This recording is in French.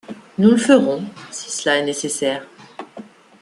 Nous le ferons, si cela est nécessaire